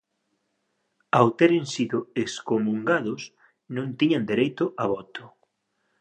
Ao teren sido excomungados non tiñan dereito a voto